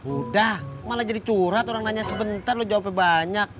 udah malah jadi curhat orang nanya sebentar lu jawabnya banyak